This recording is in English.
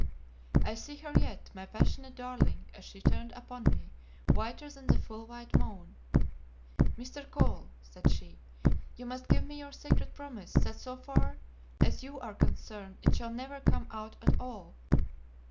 I see her yet, my passionate darling, as she turned upon me, whiter than the full white moon. "Mr. Cole," said she, "you must give me your sacred promise that so far as you are concerned, it shall never come out at all!"